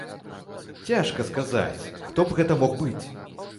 Цяжка сказаць, хто б гэта мог быць.